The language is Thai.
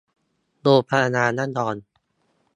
โรงพยาบาลระยอง